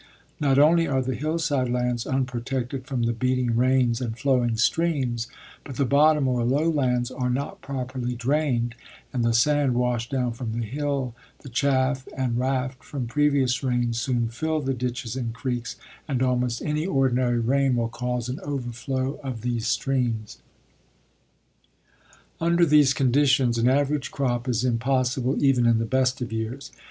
Not only are the hillside lands unprotected from the beating rains and flowing streams, but the bottom or lowlands are not properly drained, and the sand washed down from the hill, the chaff and raft from previous rains soon fill the ditches and creeks and almost any ordinary rain will cause an overflow of these streams. Under these conditions an average crop is impossible even in the best of years.